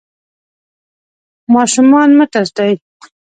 ماشومان مه ترټئ.